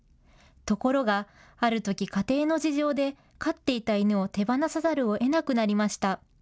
ところがあるとき、家庭の事情で飼っていた犬を手放さざるをえなくなりました。